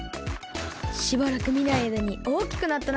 しばらくみないあいだにおおきくなったな。